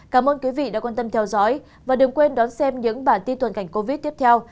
cảm ơn quý vị đã quan tâm theo dõi và đừng quên đón xem những bản tin tuần cảnh covid tiếp theo